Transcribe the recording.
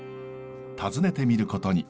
訪ねてみることに。